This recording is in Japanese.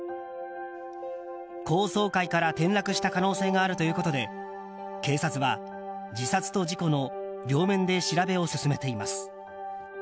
高層階から転落した可能性があるということで警察は自殺と事故の両面で調べを進めています。